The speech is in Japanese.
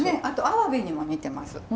あとアワビにも似てます。